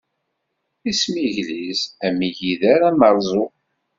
Ismigliz am igider ameṛẓu.